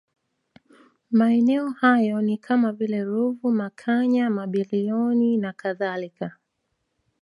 Maeneo hayo ni kama vile Ruvu Makanya Mabilioni na kadhalika